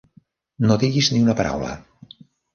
No diguis ni una paraula.